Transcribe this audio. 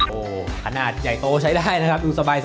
โอ้โหขนาดใหญ่โตใช้ได้นะครับดูสบาย